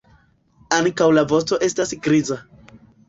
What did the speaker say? Ankaŭ la vosto estas griza.